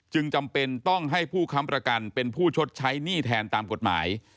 จำเป็นต้องให้ผู้ค้ำประกันเป็นผู้ชดใช้หนี้แทนตามกฎหมาย